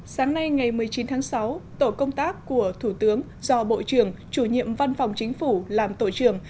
sáng nay ngày một mươi chín tháng sáu tổ công tác của thủ tướng do bộ trưởng chủ nhiệm văn phòng chính phủ làm tổ trưởng